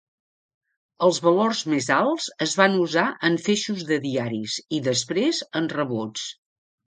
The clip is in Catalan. Els valors més alts es van usar en feixos de diaris i després en rebuts.